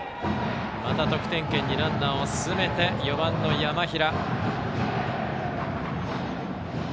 また得点圏にランナーを進めて４番の山平。